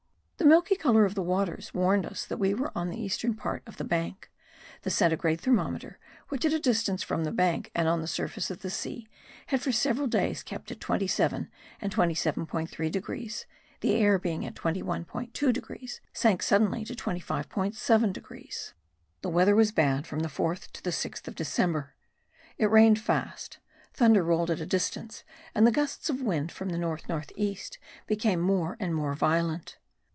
The milky colour of the waters warned us that we were on the eastern part of the bank; the centigrade thermometer which at a distance from the bank and on the surface of the sea had for several days kept at 27 and 27.3 degrees (the air being at 21.2 degrees) sank suddenly to 25.7 degrees. The weather was bad from the 4th to the 6th of December: it rained fast; thunder rolled at a distance, and the gusts of wind from the north north east became more and more violent.